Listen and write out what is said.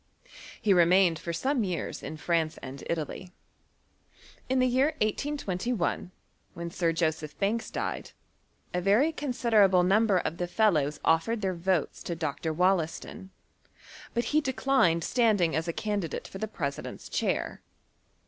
He re > viaiiied for some years in France and Italy. In the year 1821, when Sir Joseph Banks died, a very con * siderable number of the fellows offered their votes to Dr. WoUaston ; but he declined standing as a candidate for the president's chair.